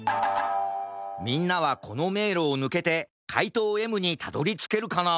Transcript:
みんなはこのめいろをぬけてかいとうＭにたどりつけるかな？